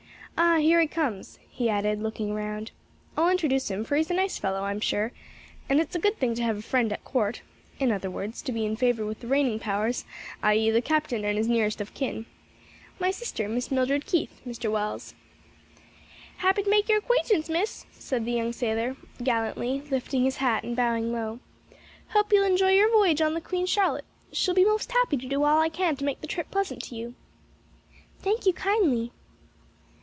Ah, here he comes," he added looking round, "I'll introduce him for he's a nice fellow, I'm sure, and it's a good thing to have a friend at court; in other words to be in favor with the reigning powers; i. e. the captain and his nearest of kin. My sister, Miss Mildred Keith, Mr. Wells." "Happy to make your acquaintance, Miss," said the young sailor, gallantly, lifting his hat and bowing low. "Hope you'll enjoy your voyage on the Queen Charlotte. Shall be most happy to do all I can to make the trip pleasant to you." "Thank you kindly."